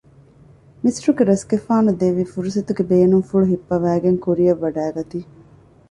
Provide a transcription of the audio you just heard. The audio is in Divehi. މިސުރުގެ ރަސްގެފާނު ދެއްވި ފުރުސަތުގެ ބޭނުންފުޅު ހިއްޕަވައިގެން ކުރިއަށް ވަޑައިގަތީ